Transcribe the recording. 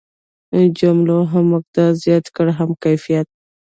جملو هم مقدار زیات کړ هم کیفیت.